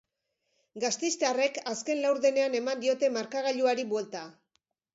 Gasteiztarrek azken laurdenean eman diote markagailuari buelta.